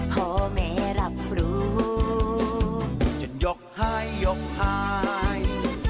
พ่อแม่รับรูปจนหยกหายหยกหาย